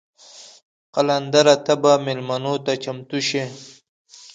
قلندره ته به میلمنو ته چمتو شې.